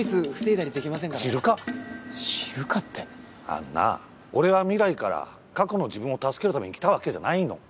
あのな俺は未来から過去の自分を助けるために来たわけじゃないの。